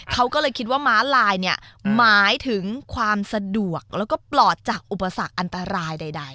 เขาก็เลยคิดว่าม้าลายเนี่ยหมายถึงความสะดวกแล้วก็ปลอดจากอุปสรรคอันตรายใด